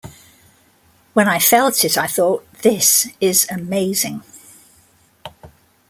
When I felt it, I thought 'This is amazing.